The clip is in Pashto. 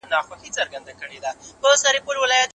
په خندا کې اندورفین افرازېږي.